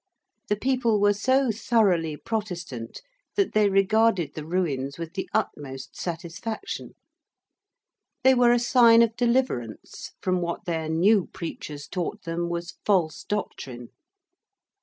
The people were so thoroughly Protestant that they regarded the ruins with the utmost satisfaction. They were a sign of deliverance from what their new preachers taught them was false doctrine.